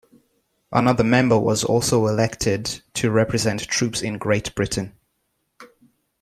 Another member was also elected to represent troops in Great Britain.